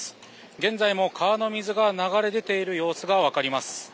現在も川の水が流れ出ている様子がわかります。